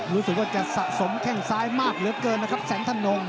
รู้สึกว่าจะสะสมแข้งซ้ายมากเหลือเกินนะครับแสนธนง